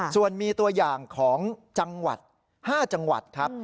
ส่วนมีตัวอย่างของ๕จังหวัดครับ